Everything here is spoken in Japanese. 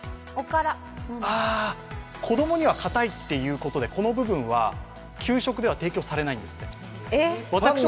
子供にはかたいということでこの部分は給食で提供されないんですって。